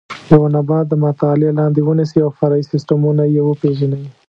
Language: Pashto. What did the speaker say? یو نبات د مطالعې لاندې ونیسئ او فرعي سیسټمونه یې وپېژنئ.